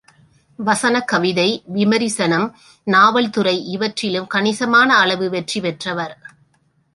வசன கவிதை, விமரிசனம், நாவல்துறை இவற்றிலும் கணிசமான அளவு வெற்றி பெற்றவர்.